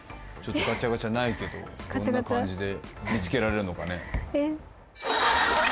ちょっとガチャガチャないけどどんな感じで見つけられるのかね